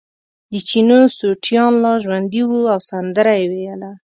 د چینو سوټیان لا ژوندي وو او سندره یې ویله.